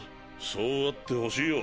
そうあってほしいよ。